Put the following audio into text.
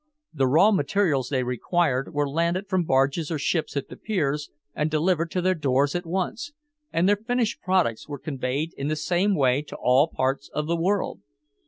The raw materials they required were landed from barges or ships at the piers and delivered to their doors at once, and their finished products were conveyed in the same way to all parts of the world.